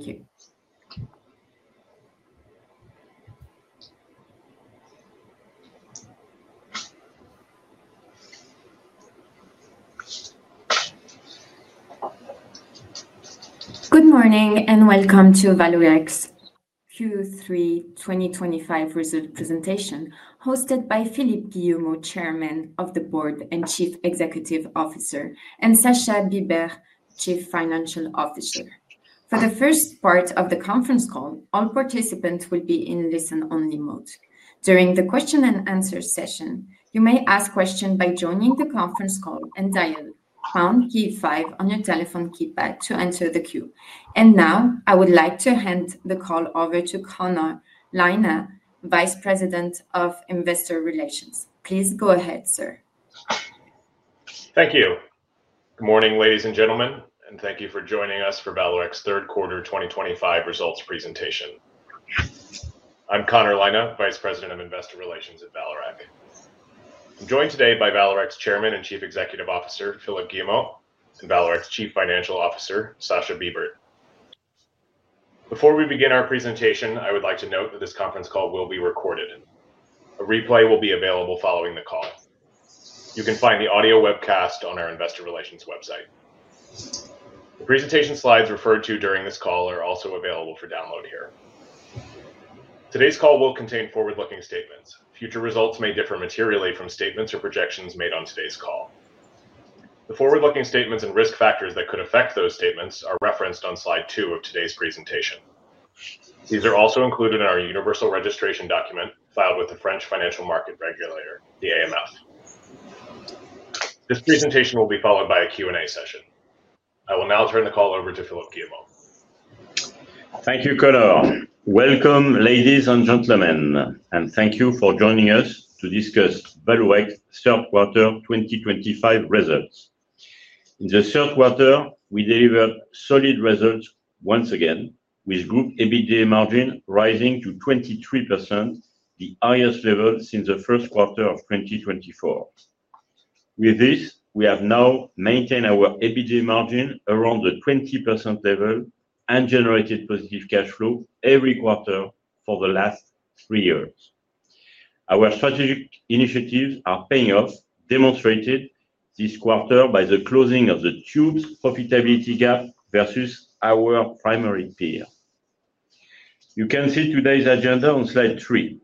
Thank you. Good morning and welcome to Vallourec's Q3 2025 result presentation, hosted by Philippe Guillemot, Chairman of the Board and Chief Executive Officer, and Sascha Bibert, Chief Financial Officer. For the first part of the conference call, all participants will be in listen-only mode. During the question-and-answer session, you may ask questions by joining the conference call and dialing the pound key five on your telephone keypad to enter the queue. I would like to hand the call over to Connor Lynagh, Vice President of Investor Relations. Please go ahead, sir. Thank you. Good morning, ladies and gentlemen, and thank you for joining us for Vallourec's third quarter 2025 results presentation. I'm Connor Lynagh, Vice President of Investor Relations at Vallourec. I'm joined today by Vallourec's Chairman and Chief Executive Officer, Philippe Guillemot, and Vallourec's Chief Financial Officer, Sascha Bibert. Before we begin our presentation, I would like to note that this conference call will be recorded. A replay will be available following the call. You can find the audio webcast on our Investor Relations website. The presentation slides referred to during this call are also available for download here. Today's call will contain forward-looking statements. Future results may differ materially from statements or projections made on today's call. The forward-looking statements and risk factors that could affect those statements are referenced on slide two of today's presentation. These are also included in our universal registration document filed with the French financial market regulator, the AMF. This presentation will be followed by a Q&A session. I will now turn the call over to Philippe Guillemot. Thank you, Connor. Welcome, ladies and gentlemen, and thank you for joining us to discuss Vallourec's third quarter 2025 results. In the third quarter, we delivered solid results once again, with group EBITDA margin rising to 23%, the highest level since the first quarter of 2024. With this, we have now maintained our EBITDA margin around the 20% level and generated positive cash flow every quarter for the last three years. Our strategic initiatives are paying off, demonstrated this quarter by the closing of the tubes profitability gap versus our primary peer. You can see today's agenda on slide three.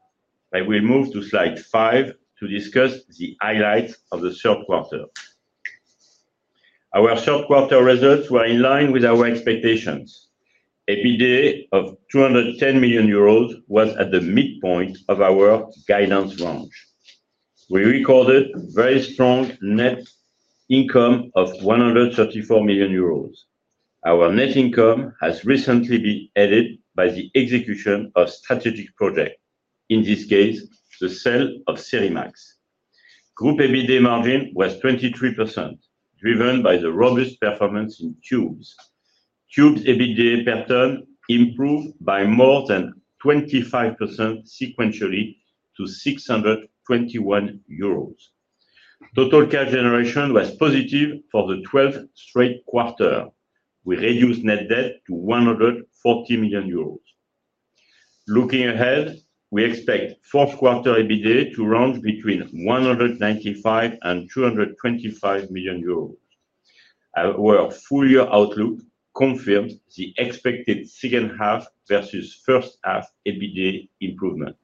I will move to slide five to discuss the highlights of the third quarter. Our third quarter results were in line with our expectations. EBITDA of 210 million euros was at the midpoint of our guidance range. We recorded a very strong net income of 134 million euros. Our net income has recently been added by the execution of strategic projects, in this case, the sale of Serimax. Group EBITDA margin was 23%, driven by the robust performance in tubes. Tubes EBITDA per ton improved by more than 25% sequentially to 621 euros. Total cash generation was positive for the 12th straight quarter. We reduced net debt to 140 million euros. Looking ahead, we expect fourth quarter EBITDA to range between 195 million and 225 million euros. Our full year outlook confirms the expected second half versus first half EBITDA improvement.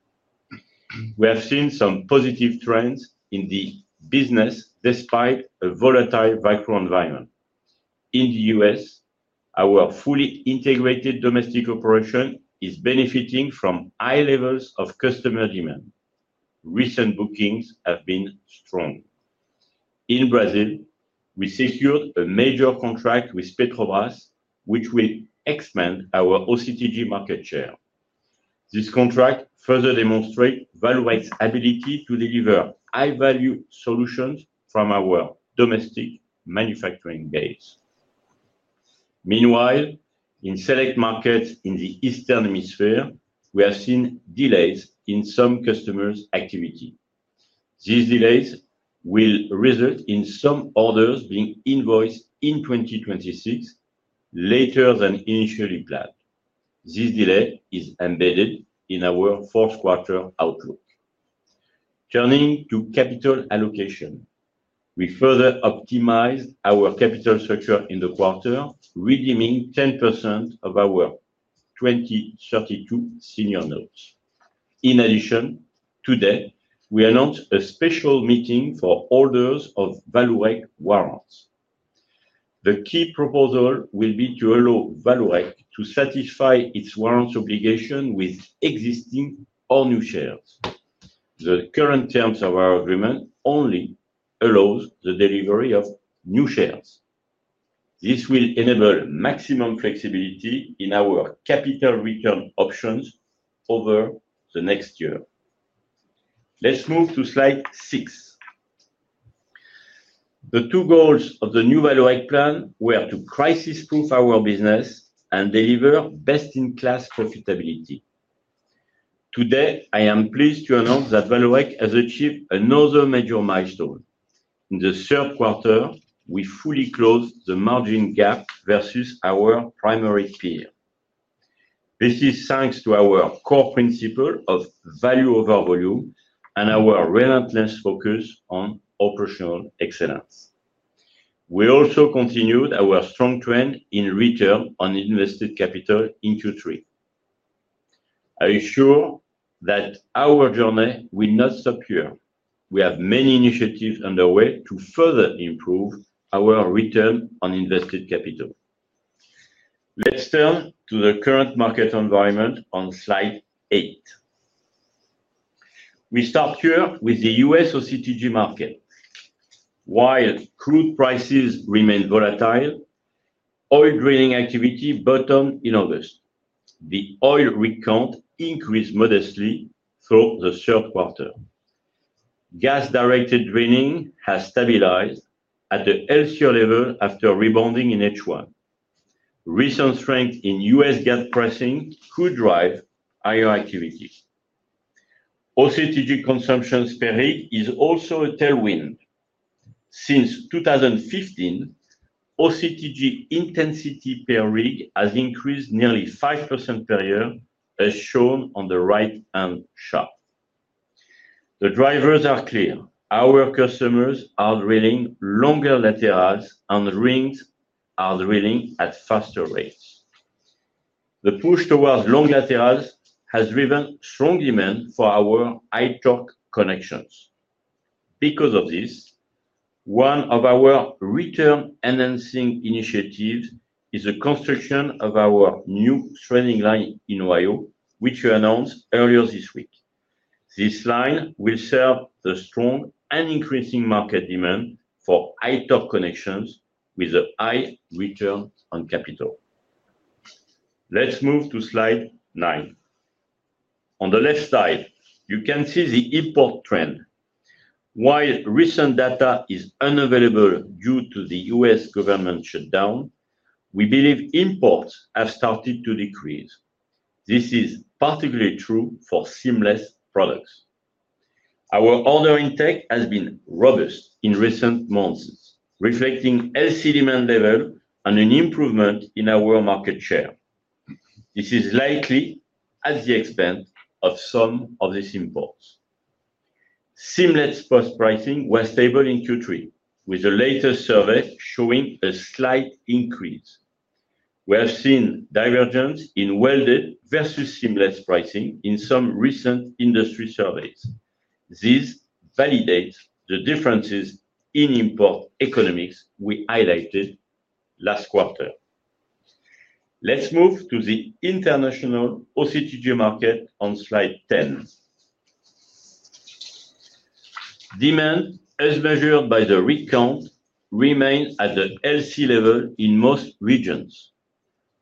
We have seen some positive trends in the business despite a volatile microenvironment. In the U.S., our fully integrated domestic operation is benefiting from high levels of customer demand. Recent bookings have been strong. In Brazil, we secured a major contract with Petrobras, which will expand our OCTG market share. This contract further demonstrates Vallourec's ability to deliver high-value solutions from our domestic manufacturing base. Meanwhile, in select markets in the Eastern Hemisphere, we have seen delays in some customers' activity. These delays will result in some orders being invoiced in 2026 later than initially planned. This delay is embedded in our fourth quarter outlook. Turning to capital allocation, we further optimized our capital structure in the quarter, redeeming 10% of our 2032 senior notes. In addition, today, we announced a special meeting for holders of Vallourec warrants. The key proposal will be to allow Vallourec to satisfy its warrants obligation with existing or new shares. The current terms of our agreement only allow the delivery of new shares. This will enable maximum flexibility in our capital return options over the next year. Let's move to slide six. The two goals of the new Vallourec plan were to crisis-proof our business and deliver best-in-class profitability. Today, I am pleased to announce that Vallourec has achieved another major milestone. In the third quarter, we fully closed the margin gap versus our primary peer. This is thanks to our core principle of value over volume and our relentless focus on operational excellence. We also continued our strong trend in return on invested capital in Q3. I assure that our journey will not stop here. We have many initiatives underway to further improve our return on invested capital. Let's turn to the current market environment on slide eight. We start here with the U.S. OCTG market. While crude prices remain volatile, oil drilling activity bottomed in August. The oil rig count increased modestly through the third quarter. Gas-directed drilling has stabilized at the low case level after rebounding in H1. Recent strength in U.S. gas pricing could drive higher activity. OCTG consumption per rig is also a tailwind. Since 2015, OCTG intensity per rig has increased nearly 5% per year, as shown on the right-hand chart. The drivers are clear. Our customers are drilling longer laterals, and rigs are drilling at faster rates. The push towards long laterals has driven strong demand for our high-torque connections. Because of this, one of our return-enhancing initiatives is the construction of our new threading line in Ohio, which we announced earlier this week. This line will serve the strong and increasing market demand for high-torque connections with a high return on capital. Let's move to slide nine. On the left side, you can see the import trend. While recent data is unavailable due to the U.S. government shutdown, we believe imports have started to decrease. This is particularly true for seamless products. Our order intake has been robust in recent months, reflecting healthy demand levels and an improvement in our market share. This is likely at the expense of some of these imports. Seamless post-pricing was stable in Q3, with the latest survey showing a slight increase. We have seen divergence in welded versus seamless pricing in some recent industry surveys. This validates the differences in import economics we highlighted last quarter. Let's move to the international OCTG market on slide 10. Demand, as measured by the rig count, remains at the low case level in most regions.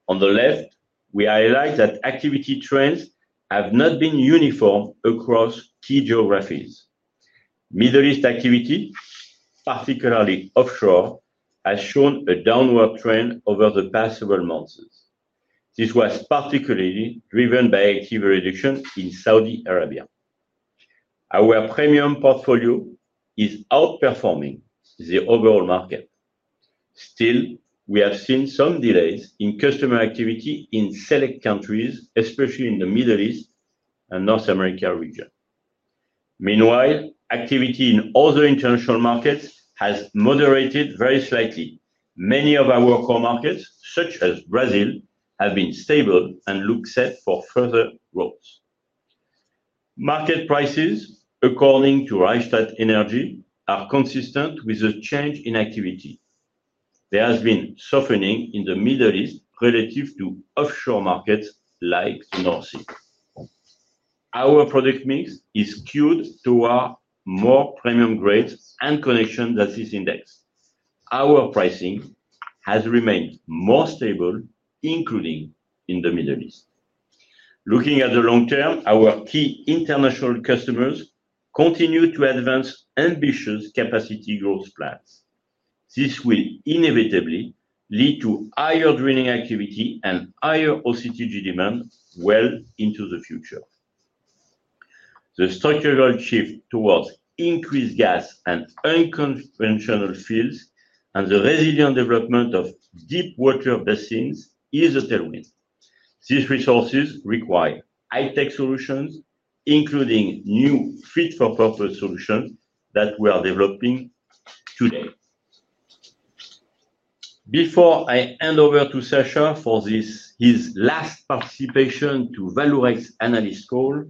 On the left, we highlight that activity trends have not been uniform across key geographies. Middle East activity, particularly offshore, has shown a downward trend over the past several months. This was particularly driven by activity reduction in Saudi Arabia. Our premium portfolio is outperforming the overall market. Still, we have seen some delays in customer activity in select countries, especially in the Middle East and North America region. Meanwhile, activity in other international markets has moderated very slightly. Many of our core markets, such as Brazil, have been stable and look set for further growth. Market prices, according to Rystad Energy, are consistent with a change in activity. There has been softening in the Middle East relative to offshore markets like the North Sea. Our product mix is skewed toward more premium grades and connections as this index. Our pricing has remained more stable, including in the Middle East. Looking at the long term, our key international customers continue to advance ambitious capacity growth plans. This will inevitably lead to higher drilling activity and higher OCTG demand well into the future. The structural shift towards increased gas and unconventional fields and the resilient development of deep water basins is a tailwind. These resources require high-tech solutions, including new fit-for-purpose solutions that we are developing today. Before I hand over to Sascha for his last participation to Vallourec's analyst call,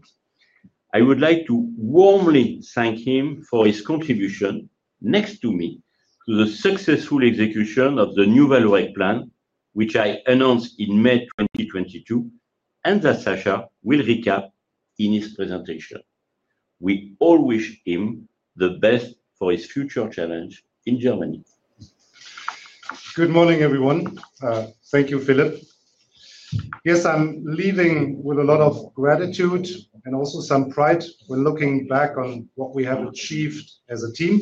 I would like to warmly thank him for his contribution next to me to the successful execution of the new Vallourec plan, which I announced in May 2022, and that Sascha will recap in his presentation. We all wish him the best for his future challenge in Germany. Good morning, everyone. Thank you, Philippe. Yes, I'm leaving with a lot of gratitude and also some pride when looking back on what we have achieved as a team.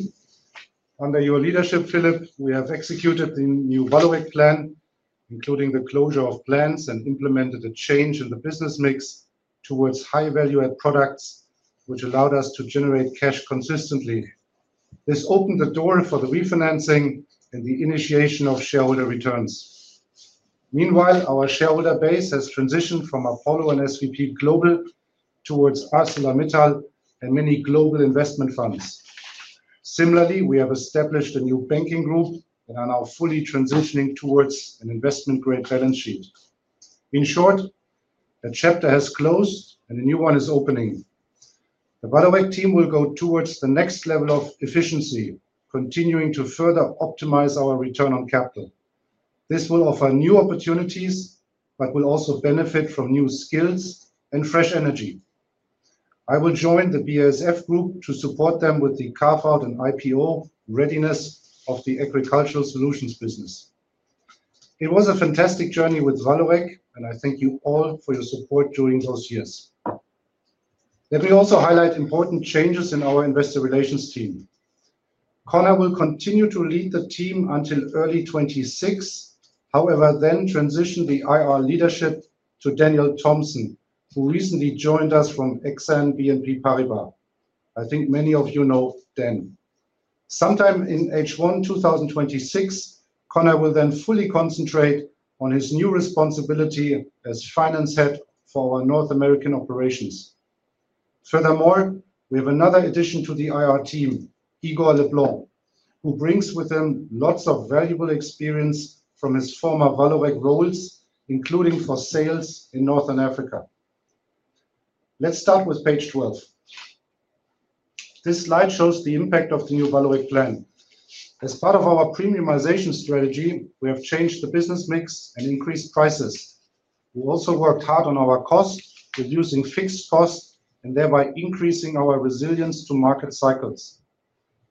Under your leadership, Philippe, we have executed the new Vallourec plan, including the closure of plants and implemented a change in the business mix towards high-value-add products, which allowed us to generate cash consistently. This opened the door for the refinancing and the initiation of shareholder returns. Meanwhile, our shareholder base has transitioned from Apollo and SVPGlobal towards ArcelorMittal and many global investment funds. Similarly, we have established a new banking group and are now fully transitioning towards an investment-grade balance sheet. In short, a chapter has closed and a new one is opening. The Vallourec team will go towards the next level of efficiency, continuing to further optimize our return on capital. This will offer new opportunities but will also benefit from new skills and fresh energy. I will join the BASF group to support them with the carve-out and IPO readiness of the agricultural solutions business. It was a fantastic journey with Vallourec, and I thank you all for your support during those years. Let me also highlight important changes in our investor relations team. Connor will continue to lead the team until early 2026. However, then transition the IR leadership to Daniel Thompson, who recently joined us from Exane BNP Paribas. I think many of you know Dan. Sometime in the first half of 2026, Connor will then fully concentrate on his new responsibility as finance head for our North American operations. Furthermore, we have another addition to the IR team, Igor Le Blan, who brings with him lots of valuable experience from his former Vallourec roles, including for sales in Northern Africa. Let's start with page 12. This slide shows the impact of the new Vallourec plan. As part of our premiumization strategy, we have changed the business mix and increased prices. We also worked hard on our cost, reducing fixed costs and thereby increasing our resilience to market cycles.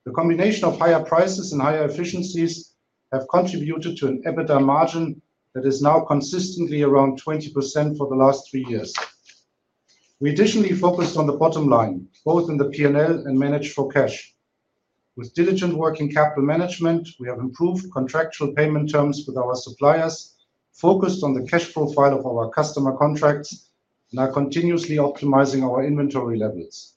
The combination of higher prices and higher efficiencies has contributed to an EBITDA margin that is now consistently around 20% for the last three years. We additionally focused on the bottom line, both in the P&L and managed for cash. With diligent work in capital management, we have improved contractual payment terms with our suppliers, focused on the cash profile of our customer contracts, and are continuously optimizing our inventory levels.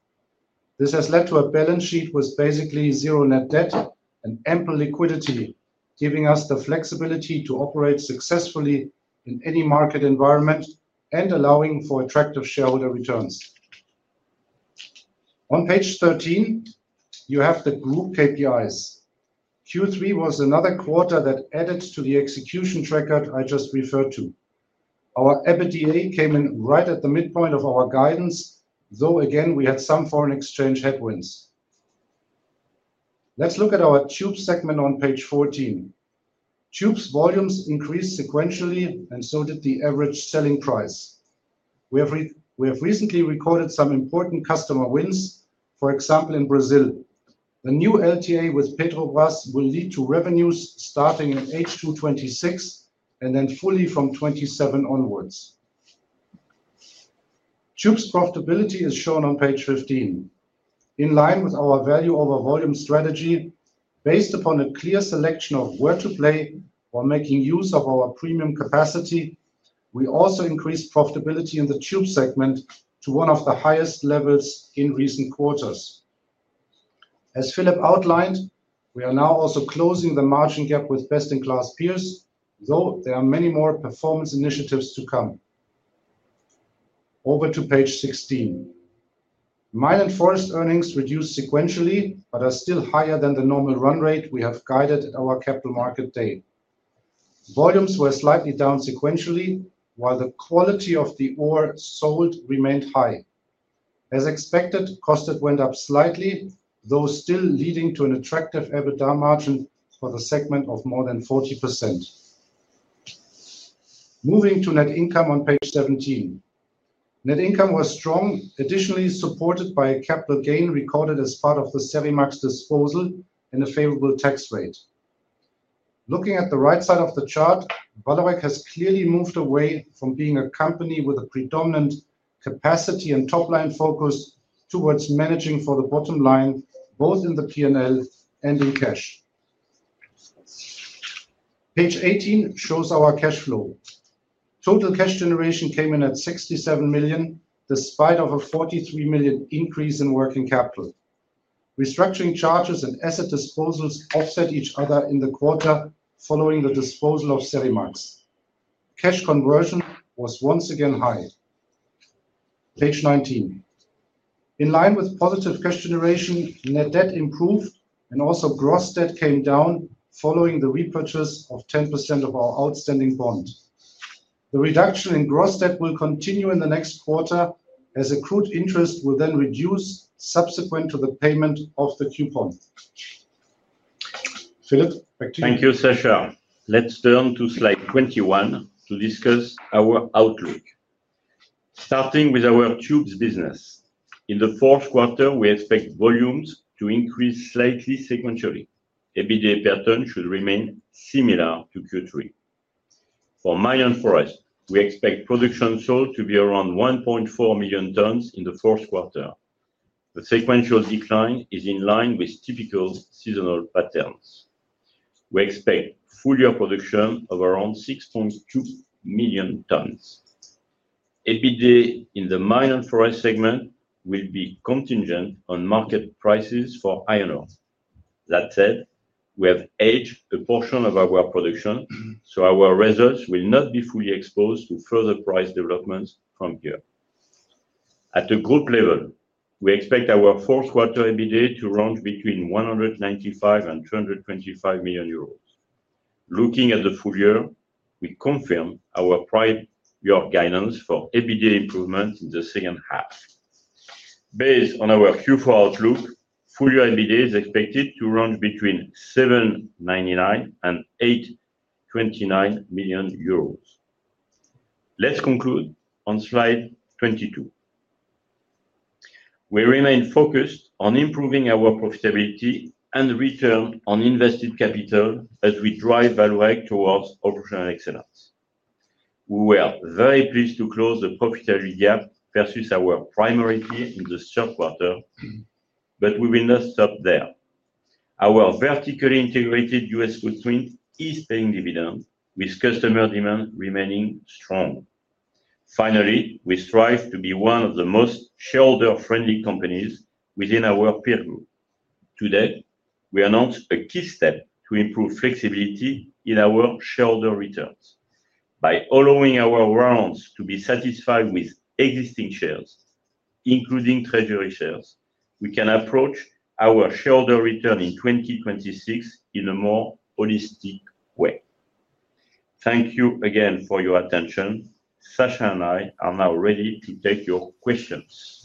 This has led to a balance sheet with basically zero net debt and ample liquidity, giving us the flexibility to operate successfully in any market environment and allowing for attractive shareholder returns. On page 13, you have the group KPIs. Q3 was another quarter that added to the execution track I just referred to. Our EBITDA came in right at the midpoint of our guidance, though again, we had some foreign exchange headwinds. Let's look at our tubes segment on page 14. Tubes volumes increased sequentially, and so did the average selling price. We have recently recorded some important customer wins, for example, in Brazil. The new LTA with Petrobras will lead to revenues starting at H2 2026 and then fully from 2027 onwards. Tubes profitability is shown on page 15. In line with our value over volume strategy, based upon a clear selection of where to play while making use of our premium capacity, we also increased profitability in the tubes segment to one of the highest levels in recent quarters. As Philippe outlined, we are now also closing the margin gap with best-in-class peers, though there are many more performance initiatives to come. Over to page 16. Mine and forest earnings reduced sequentially but are still higher than the normal run rate we have guided at our Capital Market Day. Volumes were slightly down sequentially, while the quality of the ore sold remained high. As expected, costs went up slightly, though still leading to an attractive EBITDA margin for the segment of more than 40%. Moving to net income on page 17. Net income was strong, additionally supported by a capital gain recorded as part of the Serimax disposal and a favorable tax rate. Looking at the right side of the chart, Vallourec has clearly moved away from being a company with a predominant capacity and top-line focus towards managing for the bottom line, both in the P&L and in cash. Page 18 shows our cash flow. Total cash generation came in at 67 million, despite a 43 million increase in working capital. Restructuring charges and asset disposals offset each other in the quarter following the disposal of Serimax. Cash conversion was once again high. Page 19. In line with positive cash generation, net debt improved, and also gross debt came down following the repurchase of 10% of our outstanding bond. The reduction in gross debt will continue in the next quarter as accrued interest will then reduce subsequent to the payment of the coupon. Philippe, back to you. Thank you, Sascha. Let's turn to slide 21 to discuss our outlook. Starting with our tubes business, in the fourth quarter, we expect volumes to increase slightly sequentially. EBITDA pattern should remain similar to Q3. For mine and forest, we expect production sold to be around 1.4 million tons in the fourth quarter. The sequential decline is in line with typical seasonal patterns. We expect full year production of around 6.2 million tons. EBITDA in the mine and forest segment will be contingent on market prices for iron ore. That said, we have aged a portion of our production, so our results will not be fully exposed to further price developments from here. At the group level, we expect our fourth quarter EBITDA to run between 195 million-225 million euros. Looking at the full year, we confirm our prior year guidance for EBITDA improvement in the second half. Based on our Q4 outlook, full year EBITDA is expected to run between 799 million and 829 million euros. Let's conclude on slide 22. We remain focused on improving our profitability and return on invested capital as we drive Vallourec towards operational excellence. We were very pleased to close the profitability gap versus our primary peer in the third quarter, but we will not stop there. Our vertically integrated U.S. footprint is paying dividends, with customer demand remaining strong. Finally, we strive to be one of the most shareholder-friendly companies within our peer group. Today, we announced a key step to improve flexibility in our shareholder returns. By allowing our rounds to be satisfied with existing shares, including treasury shares, we can approach our shareholder return in 2026 in a more holistic way. Thank you again for your attention. Sascha and I are now ready to take your questions.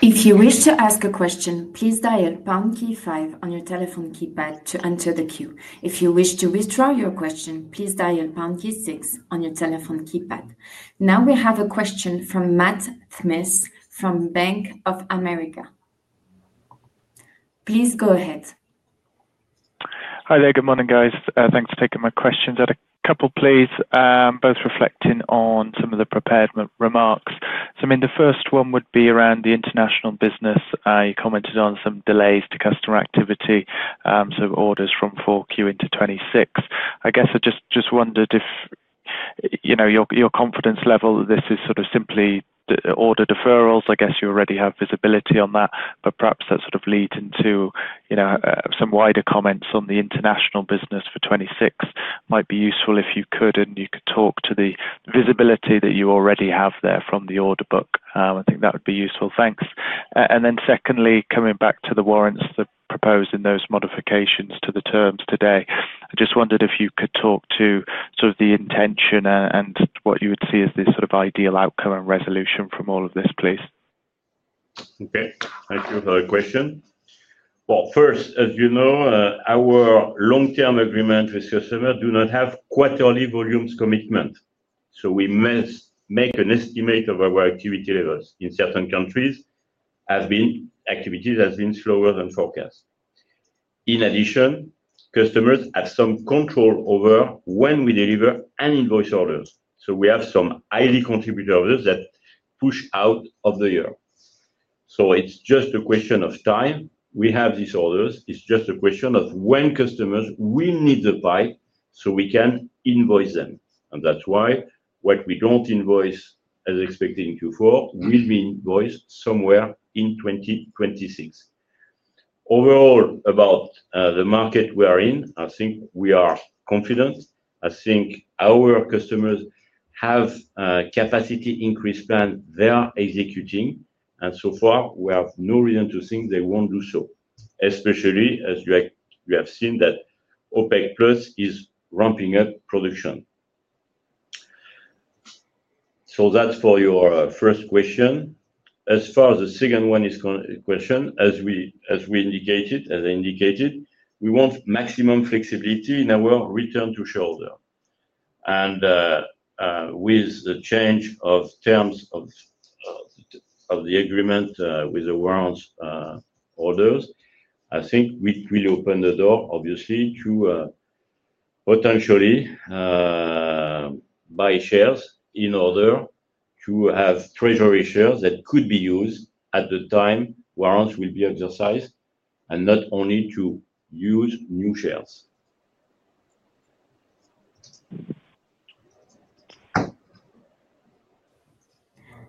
If you wish to ask a question, please dial pound key five on your telephone keypad to enter the queue. If you wish to withdraw your question, please dial pound key six on your telephone keypad. Now we have a question from Matt Smith from Bank of America. Please go ahead. Hi there, good morning guys. Thanks for taking my questions. I had a couple of pleas, both reflecting on some of the prepared remarks. I mean, the first one would be around the international business. You commented on some delays to customer activity, so orders from Q4 into 2026. I guess I just wondered if your confidence level, this is sort of simply order deferrals. I guess you already have visibility on that, but perhaps that sort of leads into some wider comments on the international business for 2026. Might be useful if you could, and you could talk to the visibility that you already have there from the order book. I think that would be useful. Thanks. Secondly, coming back to the warrants proposed in those modifications to the terms today, I just wondered if you could talk to sort of the intention and what you would see as the sort of ideal outcome and resolution from all of this, please. Okay. Thank you for the question. First, as you know, our long-term agreement with customers does not have quarterly volumes commitment. We must make an estimate of our activity levels. In certain countries, activities have been slower than forecast. In addition, customers have some control over when we deliver and invoice orders. We have some highly contributed orders that push out of the year. It is just a question of time. We have these orders. It is just a question of when customers will need the pipe so we can invoice them. That is why what we do not invoice as expected in Q4 will be invoiced somewhere in 2026. Overall, about the market we are in, I think we are confident. I think our customers have a capacity increase plan they are executing. We have no reason to think they will not do so, especially as you have seen that OPEC+ is ramping up production. That is for your first question. As far as the second question, as we indicated, we want maximum flexibility in our return to shareholder. With the change of terms of the agreement with the warrants holders, I think we really open the door, obviously, to potentially buy shares in order to have treasury shares that could be used at the time warrants will be exercised and not only to use new shares.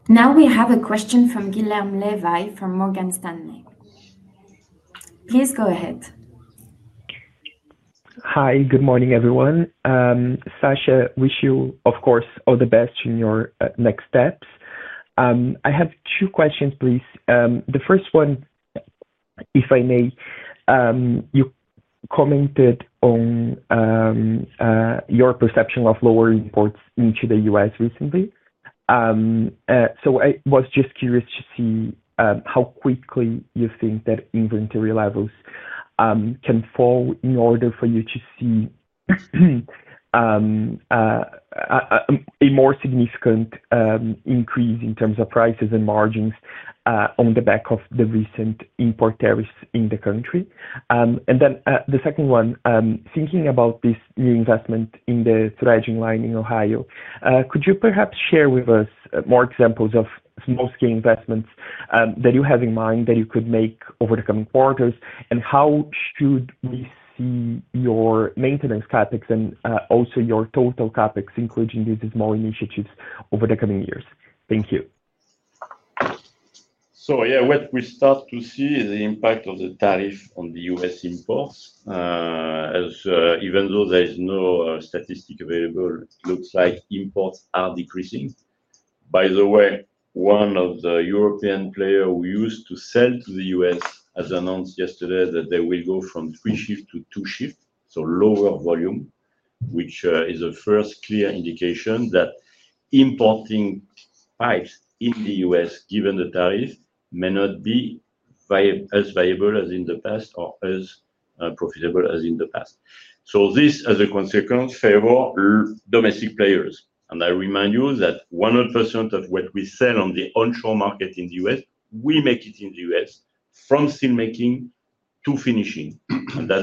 Now we have a question from Guilherme Levy from Morgan Stanley. Please go ahead. Hi, good morning, everyone. Sascha, wish you, of course, all the best in your next steps. I have two questions, please. The first one, if I may, you commented on your perception of lower imports into the U.S. recently. I was just curious to see how quickly you think that inventory levels can fall in order for you to see a more significant increase in terms of prices and margins on the back of the recent import tariffs in the country. The second one, thinking about this new investment in the threading line in Ohio, could you perhaps share with us more examples of small-scale investments that you have in mind that you could make over the coming quarters, and how should we see your maintenance CapEx and also your total CapEx, including these small initiatives over the coming years? Thank you. Yeah, what we start to see is the impact of the tariff on the U.S. imports. Even though there is no statistic available, it looks like imports are decreasing. By the way, one of the European players who used to sell to the U.S. has announced yesterday that they will go from three shift to two shift, so lower volume, which is a first clear indication that importing pipes in the U.S., given the tariff, may not be as viable as in the past or as profitable as in the past. This, as a consequence, favors domestic players. I remind you that 100% of what we sell on the onshore market in the U.S., we make it in the U.S. from seam making to finishing.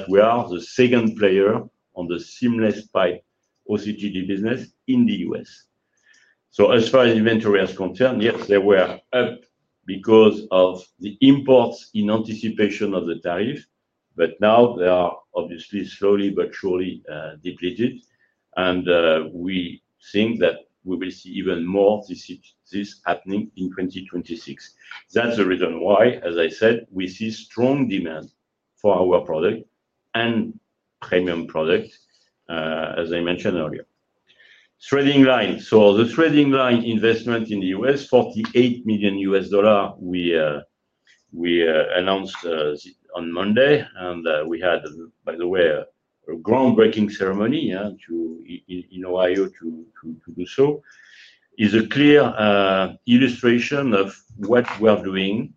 We are the second player on the seamless pipe OCTG business in the U.S. As far as inventory is concerned, yes, they were up because of the imports in anticipation of the tariff, but now they are obviously slowly but surely depleted. We think that we will see even more of this happening in 2026. That is the reason why, as I said, we see strong demand for our product and premium product, as I mentioned earlier. Threading line. The threading line investment in the U.S., $48 million, we announced on Monday. We had, by the way, a groundbreaking ceremony in Ohio to do so. It is a clear illustration of what we are doing.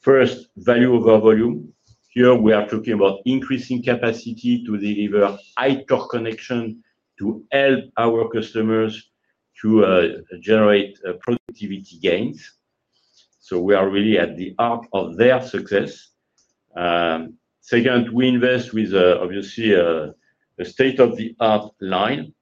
First, value over volume. Here, we are talking about increasing capacity to deliver high-torque connection to help our customers to generate productivity gains. We are really at the heart of their success. Second, we invest with, obviously, a state-of-the-art line.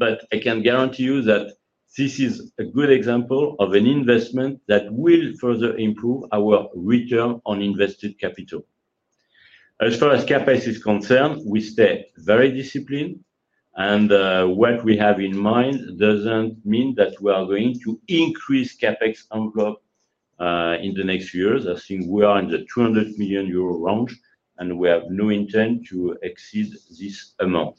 I can guarantee you that this is a good example of an investment that will further improve our return on invested capital. As far as CapEx is concerned, we stay very disciplined. What we have in mind does not mean that we are going to increase the CapEx envelope in the next few years. I think we are in the 200 million euro range, and we have no intent to exceed this amount.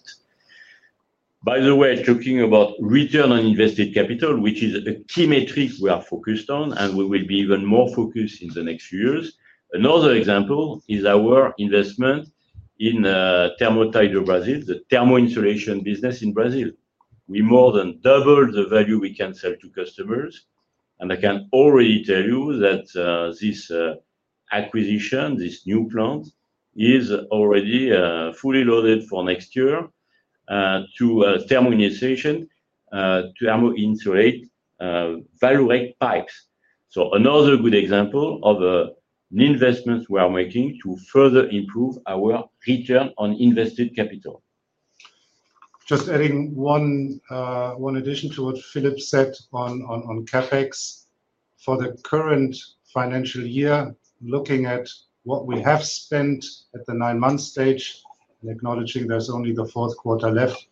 By the way, talking about return on invested capital, which is a key metric we are focused on, we will be even more focused in the next few years. Another example is our investment in Thermotite do Brasil, the thermo insulation business in Brazil. We more than doubled the value we can sell to customers. I can already tell you that this acquisition, this new plant, is already fully loaded for next year to thermo insulate Vallourec pipes. Another good example of an investment we are making to further improve our return on invested capital. Just adding one addition to what Philippe said on CapEx. For the current financial year, looking at what we have spent at the nine-month stage, and acknowledging there is only the fourth quarter left,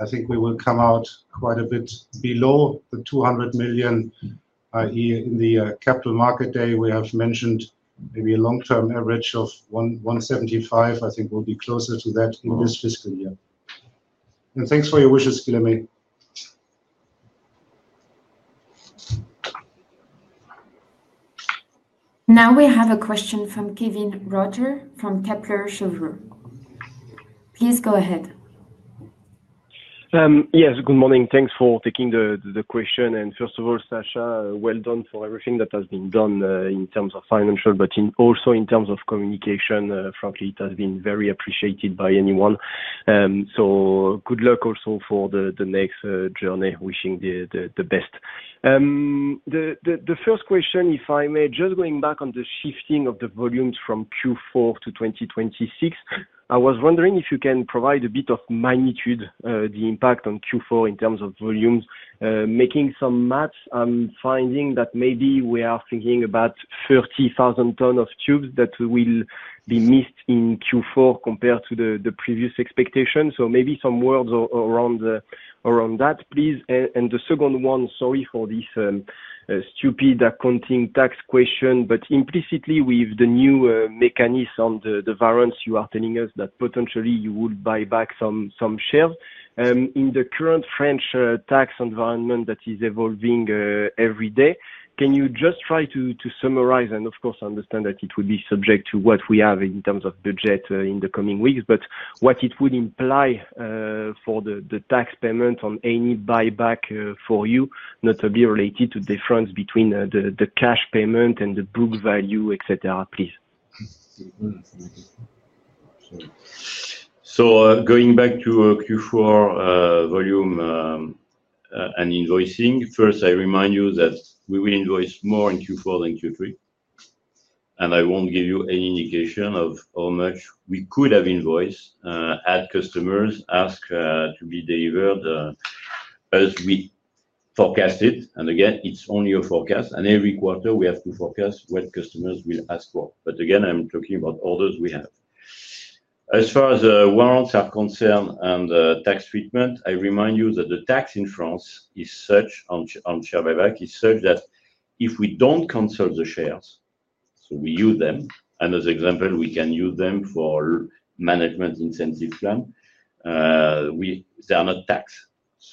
I think we will come out quite a bit below the 200 million, i.e., in the Capital Market Day, we have mentioned maybe a long-term average of 175 million. I think we will be closer to that in this fiscal year. And thanks for your wishes, Guilherme. Now we have a question from Kévin Roger from Kepler Cheuvreux. Please go ahead. Yes, good morning. Thanks for taking the question. First of all, Sascha, well done for everything that has been done in terms of financial, but also in terms of communication. Frankly, it has been very appreciated by anyone. Good luck also for the next journey. Wishing the best. The first question, if I may, just going back on the shifting of the volumes from Q4 to 2026, I was wondering if you can provide a bit of magnitude, the impact on Q4 in terms of volumes. Making some maths, I'm finding that maybe we are thinking about 30,000 tons of tubes that will be missed in Q4 compared to the previous expectation. Maybe some words around that, please. The second one, sorry for this stupid accounting tax question, but implicitly, with the new mechanics on the warrants you are telling us that potentially you would buy back some shares. In the current French tax environment that is evolving every day, can you just try to summarize and, of course, understand that it would be subject to what we have in terms of budget in the coming weeks, but what it would imply for the tax payment on any buyback for you, notably related to the difference between the cash payment and the book value, etc., please? Going back to Q4 volume and invoicing, first, I remind you that we will invoice more in Q4 than Q3. I will not give you any indication of how much we could have invoiced if customers asked to be delivered as we forecasted. Again, it is only a forecast. Every quarter, we have to forecast what customers will ask for. Again, I am talking about orders we have. As far as warrants are concerned and tax treatment, I remind you that the tax in France is such on share buyback that if we do not cancel the shares, so we use them, and as an example, we can use them for management incentive plan, they are not taxed.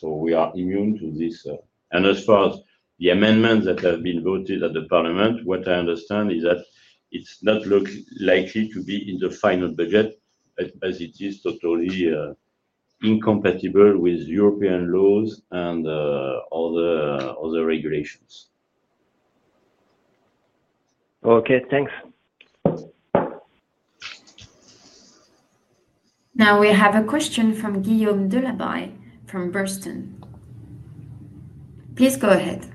We are immune to this. As far as the amendments that have been voted at the Parliament, what I understand is that it's not likely to be in the final budget as it is totally incompatible with European laws and other regulations. Okay, thanks. Now we have a question from Guillaume Delaby from Bernstein. Please go ahead.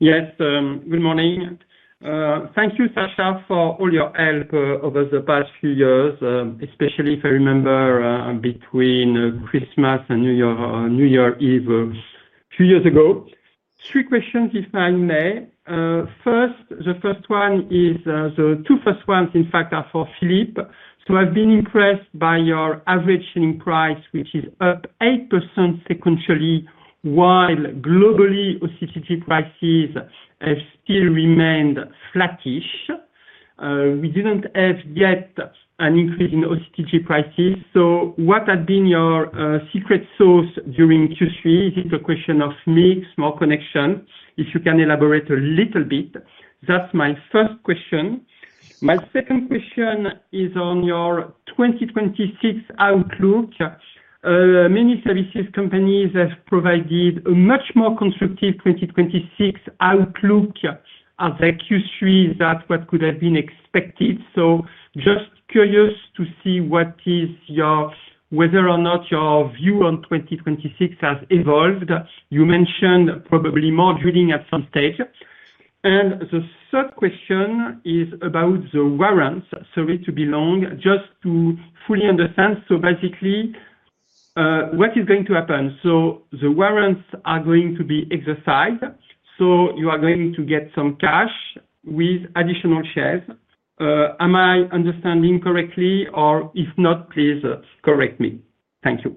Yes, good morning. Thank you, Sascha, for all your help over the past few years, especially if I remember between Christmas and New Year's Eve a few years ago. Three questions, if I may. First, the first one is the two first ones, in fact, are for Philippe. So I've been impressed by your average selling price, which is up 8% sequentially, while globally, OCTG prices have still remained flattish. We did not have yet an increase in OCTG prices. What has been your secret sauce during Q3? Is it a question of mix, more connection? If you can elaborate a little bit. That is my first question. My second question is on your 2026 outlook. Many services companies have provided a much more constructive 2026 outlook as of Q3 than what could have been expected. Just curious to see whether or not your view on 2026 has evolved. You mentioned probably more drilling at some stage. The third question is about the warrants. Sorry to be long. Just to fully understand, what is going to happen? The warrants are going to be exercised, so you are going to get some cash with additional shares. Am I understanding correctly? If not, please correct me. Thank you.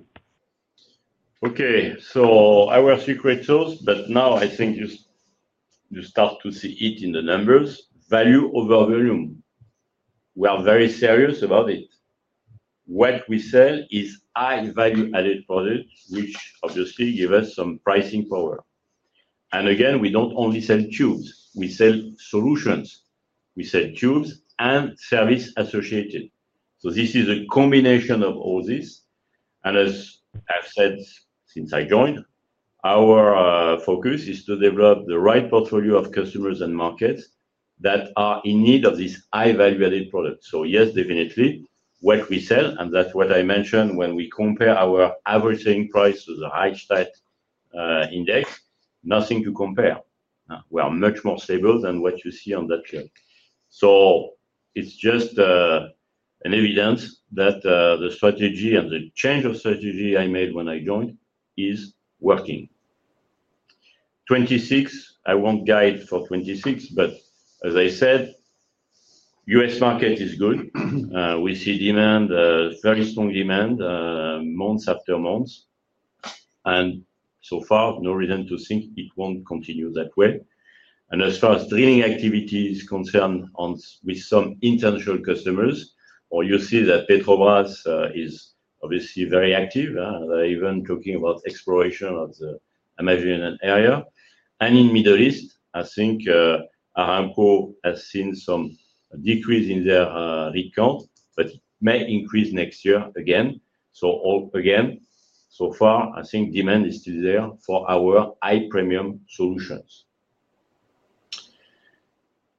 Okay. Our secret sauce, but now I think you start to see it in the numbers. Value over volume. We are very serious about it. What we sell is high value-added product, which obviously gives us some pricing power. Again, we do not only sell tubes. We sell solutions. We sell tubes and service associated. This is a combination of all this. As I have said since I joined, our focus is to develop the right portfolio of customers and markets that are in need of this high value-added product. Yes, definitely, what we sell, and that is what I mentioned when we compare our average selling price to the Rystad index, nothing to compare. We are much more stable than what you see on that chart. It is just evidence that the strategy and the change of strategy I made when I joined is working. 2026, I won't guide for 2026, but as I said, U.S. market is good. We see demand, very strong demand, months after months. So far, no reason to think it won't continue that way. As far as drilling activity is concerned with some international customers, you see that Petrobras is obviously very active. They're even talking about exploration of the Amazonian area. In the Middle East, I think Aramco has seen some decrease in their rig count, but it may increase next year again. So far, I think demand is still there for our high premium solutions.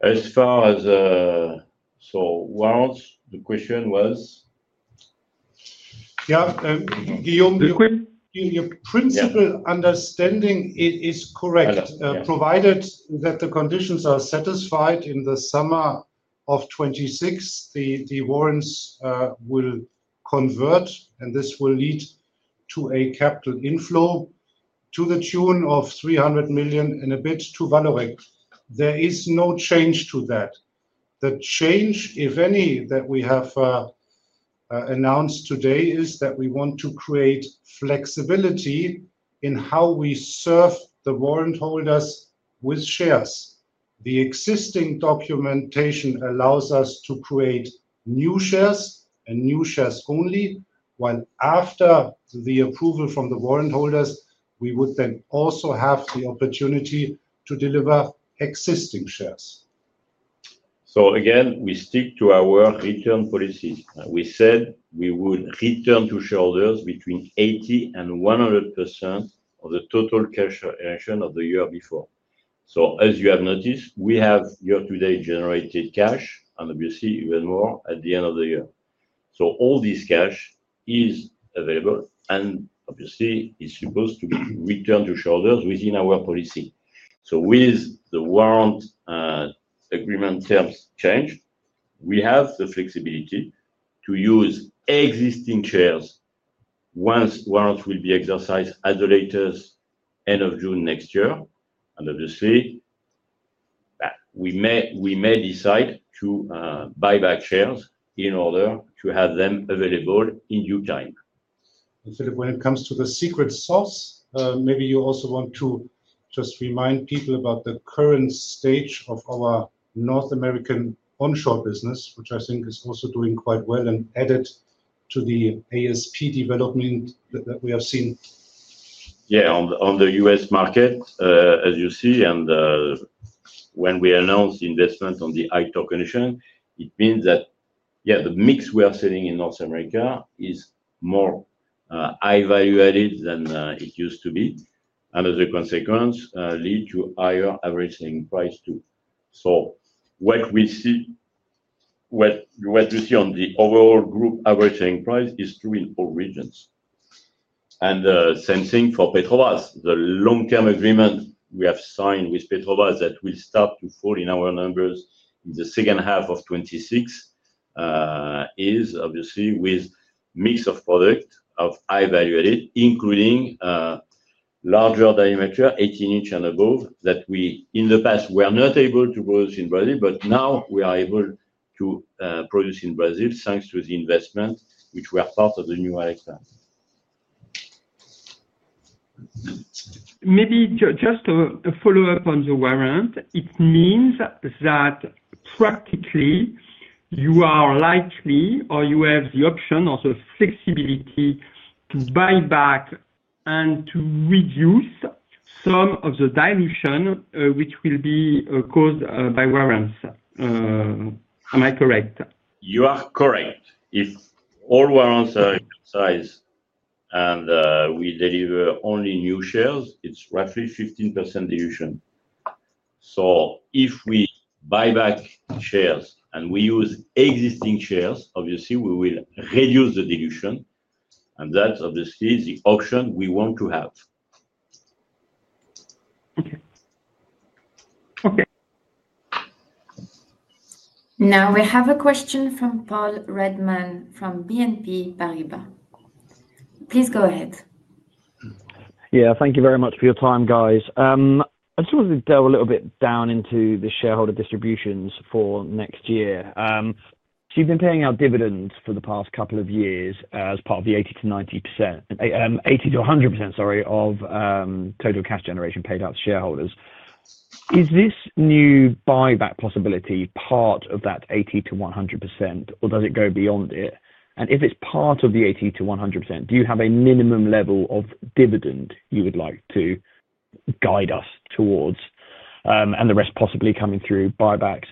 As far as warrants, the question was? Yeah. Guillaume, your principal understanding is correct. Provided that the conditions are satisfied in the summer of 2026, the warrants will convert, and this will lead to a capital inflow to the tune of 300 million and a bit to Vallourec. There is no change to that. The change, if any, that we have announced today is that we want to create flexibility in how we serve the warrant holders with shares. The existing documentation allows us to create new shares and new shares only, while after the approval from the warrant holders, we would then also have the opportunity to deliver existing shares. Again, we stick to our return policy. We said we would return to shareholders between 80% and 100% of the total cash action of the year before. As you have noticed, we have year-to-date generated cash, and obviously, even more at the end of the year. All this cash is available, and obviously, it is supposed to be returned to shareholders within our policy. With the warrant agreement terms changed, we have the flexibility to use existing shares once warrants will be exercised at the latest end of June next year. Obviously, we may decide to buy back shares in order to have them available in due time. Philippe, when it comes to the secret sauce, maybe you also want to just remind people about the current stage of our North American onshore business, which I think is also doing quite well and added to the ASP development that we have seen. Yeah, on the U.S. market, as you see, when we announced investment on the high-torque connection, it means that, yeah, the mix we are selling in North America is more high value-added than it used to be. As a consequence, it leads to higher average selling price too. What we see on the overall group average selling price is true in all regions. Same thing for Petrobras. The long-term agreement we have signed with Petrobras that will start to fall in our numbers in the second half of 2026 is obviously with mix of product of high value-added, including larger diameter, 18 inch and above, that we in the past were not able to produce in Brazil, but now we are able to produce in Brazil thanks to the investment, which were part of the new election. Maybe just to follow up on the warrant, it means that practically, you are likely or you have the option or the flexibility to buy back and to reduce some of the dilution which will be caused by warrants. Am I correct? You are correct. If all warrants are exercised and we deliver only new shares, it's roughly 15% dilution. If we buy back shares and we use existing shares, obviously, we will reduce the dilution. That's obviously the option we want to have. Okay. Okay. Now we have a question from Paul Redman from BNP Paribas. Please go ahead. Yeah, thank you very much for your time, guys. I just wanted to delve a little bit down into the shareholder distributions for next year. You have been paying out dividends for the past couple of years as part of the 80%-90%, 80%-100%, sorry, of total cash generation paid out to shareholders. Is this new buyback possibility part of that 80%-100%, or does it go beyond it? If it is part of the 80%-100%, do you have a minimum level of dividend you would like to guide us towards and the rest possibly coming through buybacks?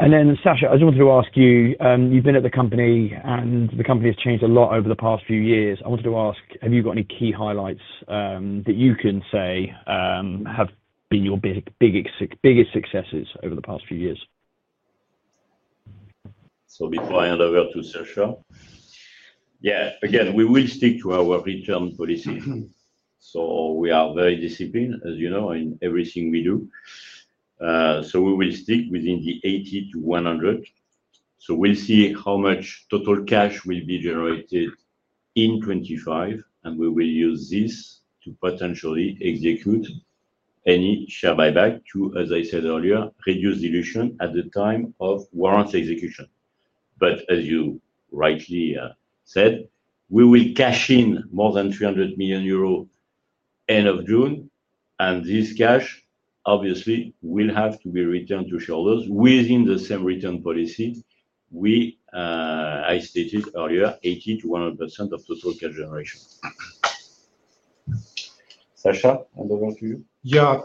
Sascha, I just wanted to ask you, you have been at the company, and the company has changed a lot over the past few years. I wanted to ask, have you got any key highlights that you can say have been your biggest successes over the past few years? Before I hand over to Sascha, yeah, again, we will stick to our return policy. We are very disciplined, as you know, in everything we do. We will stick within the 80%-100%. We will see how much total cash will be generated in 2025, and we will use this to potentially execute any share buyback to, as I said earlier, reduce dilution at the time of warrant execution. As you rightly said, we will cash in more than 300 million euros at the end of June. This cash, obviously, will have to be returned to shareholders within the same return policy. I stated earlier, 80%-100% of total cash generation. Sascha, hand over to you. Yeah.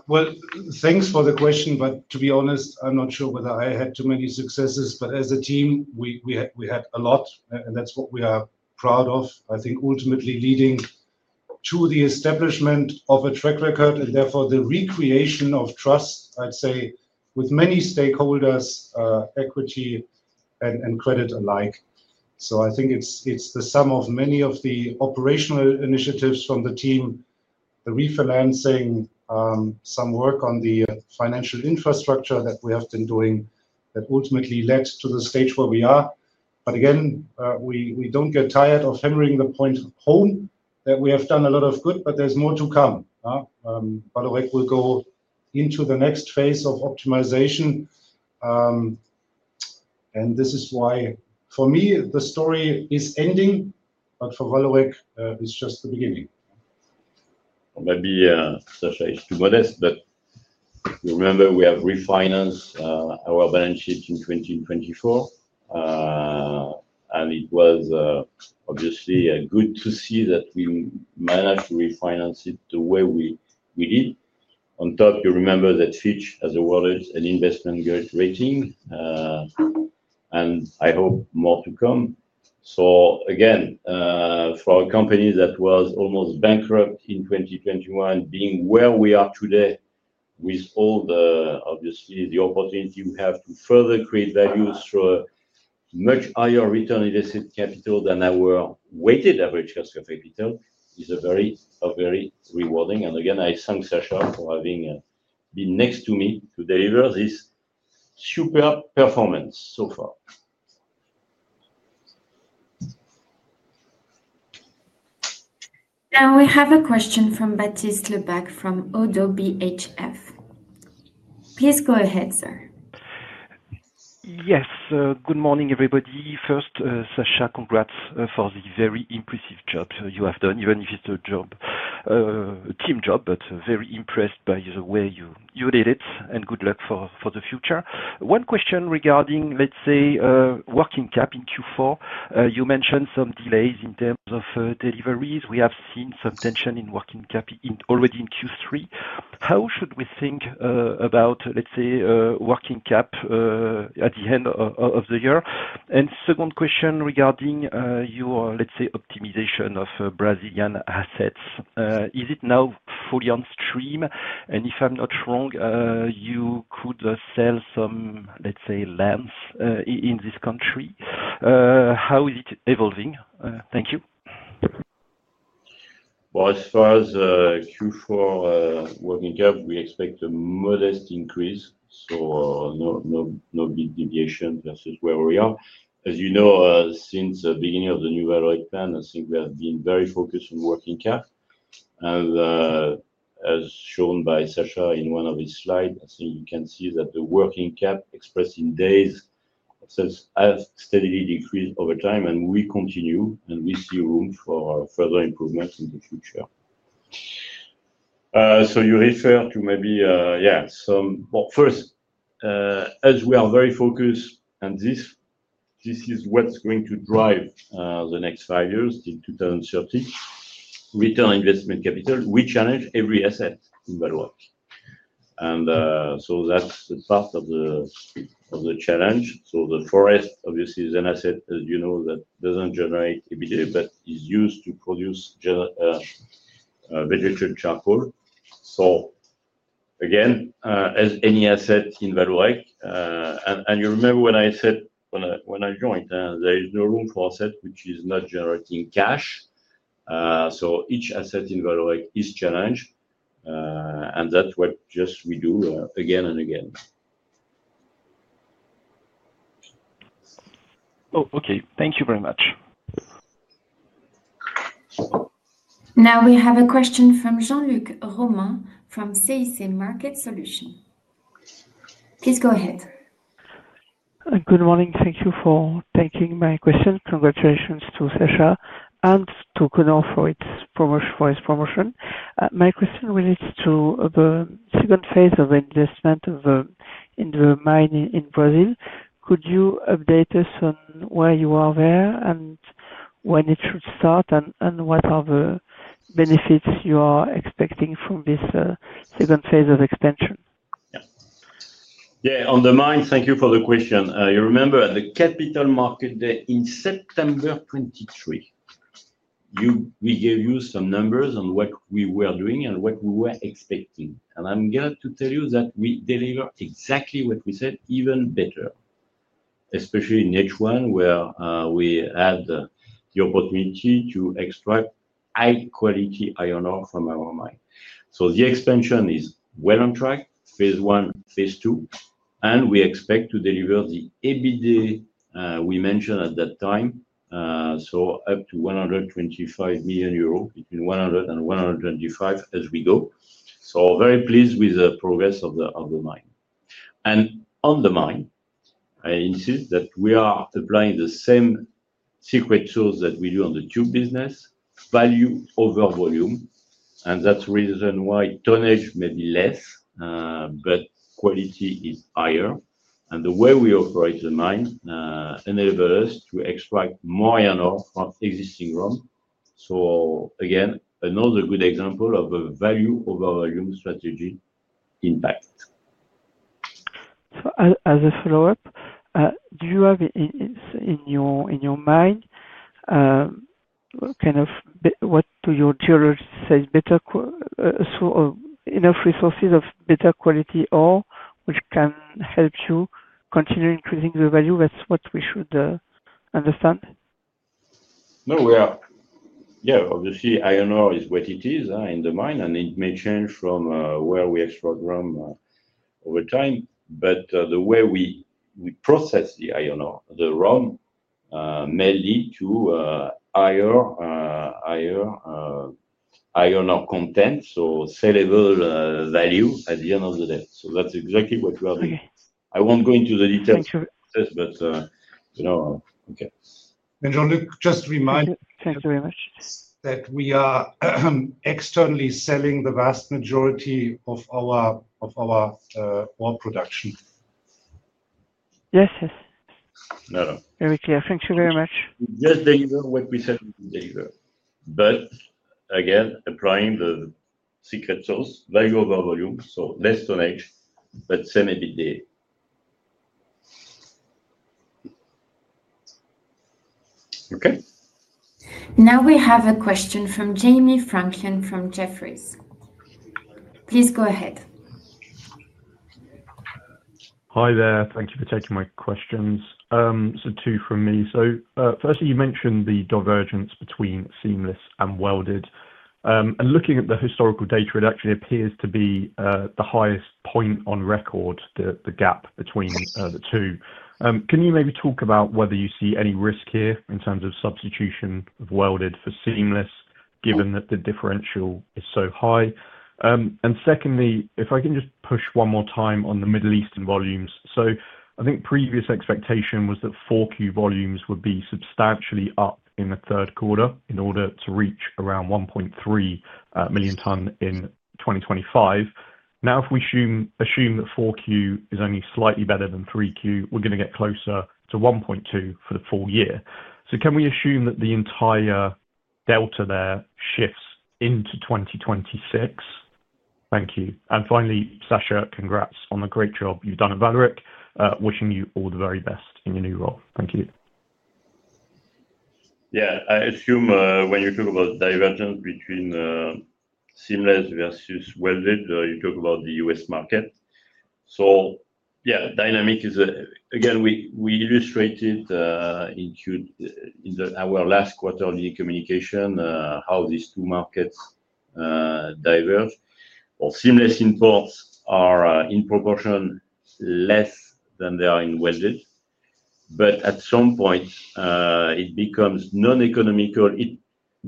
Thanks for the question, but to be honest, I'm not sure whether I had too many successes, but as a team, we had a lot, and that's what we are proud of. I think ultimately leading to the establishment of a track record and therefore the recreation of trust, I'd say, with many stakeholders, equity, and credit alike. I think it's the sum of many of the operational initiatives from the team, the refinancing, some work on the financial infrastructure that we have been doing that ultimately led to the stage where we are. Again, we don't get tired of hammering the point home that we have done a lot of good, but there's more to come. Vallourec will go into the next phase of optimization. This is why, for me, the story is ending, but for Vallourec, it's just the beginning. Maybe Sascha is too modest, but remember, we have refinanced our balance sheet in 2024. It was obviously good to see that we managed to refinance it the way we did. On top, you remember that Fitch has awarded an investment-grade rating, and I hope more to come. For a company that was almost bankrupt in 2021, being where we are today with all the, obviously, the opportunity we have to further create value through a much higher return on invested capital than our weighted average cost of capital is very rewarding. I thank Sascha for having been next to me to deliver this super performance so far. Now we have a question from Baptiste Lebacq from ODDO BHF. Please go ahead, sir. Yes. Good morning, everybody. First, Sascha, congrats for the very impressive job you have done, even if it's a team job, but very impressed by the way you did it. And good luck for the future. One question regarding, let's say, working cap in Q4. You mentioned some delays in terms of deliveries. We have seen some tension in working cap already in Q3. How should we think about, let's say, working cap at the end of the year? Second question regarding your, let's say, optimization of Brazilian assets. Is it now fully on stream? If I'm not wrong, you could sell some, let's say, lands in this country. How is it evolving? Thank you. As far as Q4 working cap, we expect a modest increase. No big deviation versus where we are. As you know, since the beginning of the new Vallourec plan, I think we have been very focused on working cap. As shown by Sascha in one of his slides, I think you can see that the working cap expressed in days has steadily decreased over time, and we continue, and we see room for further improvements in the future. You refer to maybe, yeah, some first, as we are very focused on this, this is what's going to drive the next five years in 2030, return on investment capital. We challenge every asset in Vallourec. That's part of the challenge. The forest, obviously, is an asset, as you know, that doesn't generate EBITDA, but is used to produce vegetable charcoal. Again, as any asset in Vallourec. You remember when I said when I joined, there is no room for asset which is not generating cash. Each asset in Vallourec is challenged. That is what we do again and again. Oh, okay. Thank you very much. Now we have a question from Jean-Luc Romain from CIC Market Solutions. Please go ahead. Good morning. Thank you for taking my question. Congratulations to Sascha and to Connor for his promotion. My question relates to the second phase of investment in the mine in Brazil. Could you update us on where you are there and when it should start, and what are the benefits you are expecting from this second phase of expansion? Yeah. On the mine, thank you for the question. You remember at the Capital Market Day in September 2023, we gave you some numbers on what we were doing and what we were expecting. I'm glad to tell you that we delivered exactly what we said, even better, especially in H1, where we had the opportunity to extract high-quality iron ore from our mine. The expansion is well on track, phase one, phase two. We expect to deliver the EBITDA we mentioned at that time, up to 125 million euros, between 100 million-125 million as we go. Very pleased with the progress of the mine. On the mine, I insist that we are applying the same secret tools that we do on the tube business, value over volume. That's the reason why tonnage may be less, but quality is higher. The way we operate the mine enables us to extract more iron ore from existing room. Again, another good example of a value over volume strategy impact. As a follow-up, do you have in your mind kind of what your geology says, better, enough resources of better quality ore which can help you continue increasing the value? That's what we should understand. No, we are. Yeah, obviously, iron ore is what it is in the mine, and it may change from where we extract room over time. But the way we process the iron ore, the room may lead to higher iron ore content, so sellable value at the end of the day. That is exactly what we are doing. I will not go into the details, but okay. Jean-Luc, just remind. Thank you very much. That we are externally selling the vast majority of our ore production. Yes, yes. No, no. Very clear. Thank you very much. Just deliver what we said we would deliver. Again, applying the secret sauce, value over volume, so less tonnage, but same EBITDA. Okay. Now we have a question from Jamie Franklin from Jefferies. Please go ahead. Hi there. Thank you for taking my questions. Two from me. Firstly, you mentioned the divergence between seamless and welded. Looking at the historical data, it actually appears to be the highest point on record, the gap between the two. Can you maybe talk about whether you see any risk here in terms of substitution of welded for seamless, given that the differential is so high? Secondly, if I can just push one more time on the Middle Eastern volumes. I think previous expectation was that Q4 volumes would be substantially up on the third quarter in order to reach around 1.3 million tons in 2025. Now, if we assume that Q4 is only slightly better than Q3, we are going to get closer to 1.2 million for the full year. Can we assume that the entire delta there shifts into 2026? Thank you. Sascha, congrats on the great job you've done at Vallourec. Wishing you all the very best in your new role. Thank you. Yeah. I assume when you talk about divergence between seamless versus welded, you talk about the U.S. market. Yeah, dynamic is again, we illustrated in our last quarterly communication how these two markets diverge. Seamless imports are in proportion less than they are in welded. At some point, it becomes non-economical.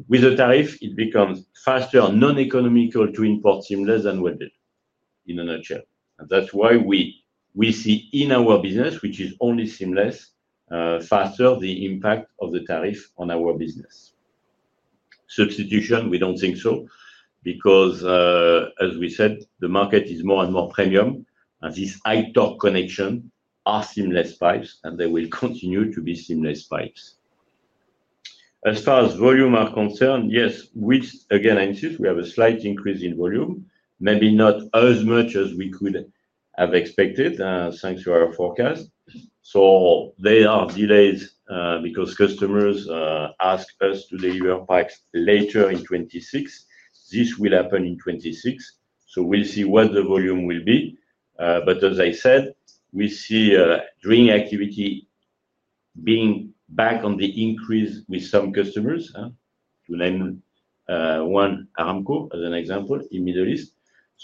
With the tariff, it becomes faster, non-economical to import seamless and welded in a nutshell. That is why we see in our business, which is only seamless, faster, the impact of the tariff on our business. Substitution, we do not think so, because as we said, the market is more and more premium. These high-torque connections are seamless pipes, and they will continue to be seamless pipes. As far as volume are concerned, yes, we again, I insist, we have a slight increase in volume, maybe not as much as we could have expected, thanks to our forecast. There are delays because customers ask us to deliver pipes later in 2026. This will happen in 2026. We will see what the volume will be. As I said, we see drilling activity being back on the increase with some customers, to name one, Aramco as an example in the Middle East.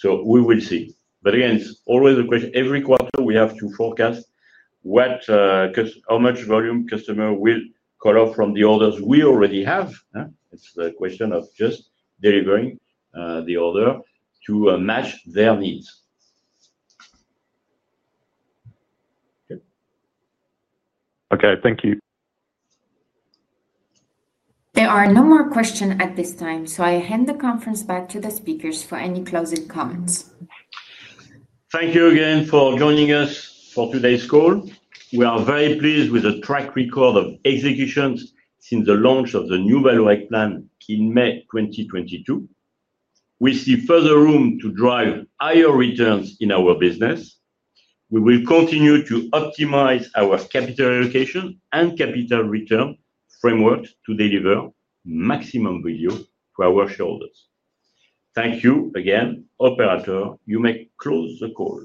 We will see. Again, it is always a question. Every quarter, we have to forecast how much volume customer will call up from the orders we already have. It is the question of just delivering the order to match their needs. Okay. Thank you. There are no more questions at this time, so I hand the conference back to the speakers for any closing comments. Thank you again for joining us for today's call. We are very pleased with the track record of execution since the launch of the new Vallourec plan in May 2022. We see further room to drive higher returns in our business. We will continue to optimize our capital allocation and capital return framework to deliver maximum value to our shareholders. Thank you again, operator. You may close the call.